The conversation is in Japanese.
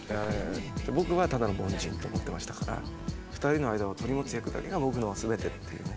僕はただの凡人って思ってましたから２人の間を取り持つ役だけが僕の全てっていうね。